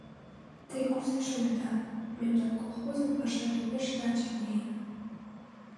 Те кузе шонеда, мемнан колхозын пашаже пеш начар лийын.